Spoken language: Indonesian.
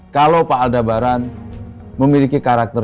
kalau pak aldabaran memiliki karakter